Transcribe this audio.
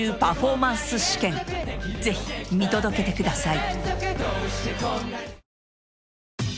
ぜひ見届けてください